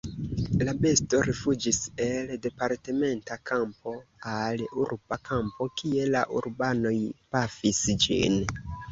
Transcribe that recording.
La besto rifuĝis el departementa kampo al urba kampo, kie la urbanoj pafis ĝin.